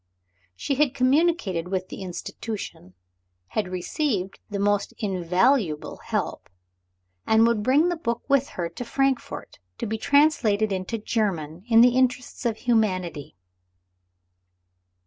She had communicated with the institution; had received the most invaluable help; and would bring the book with her to Frankfort, to be translated into German, in the interests of humanity.